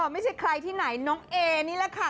ไม่ใช่ใครที่ไหนน้องเอนี่แหละค่ะ